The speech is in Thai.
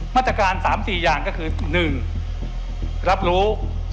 มาตรการ๓๔อย่างก็คือ๑รับรู้